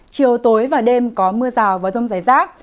chiều tối và đêm có mưa rào và rông giải giác